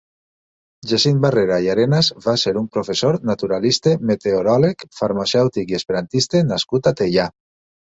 Jacint Barrera i Arenas va ser un professor, naturalista, meteoròleg, farmacèutic i esperantista nascut a Teià.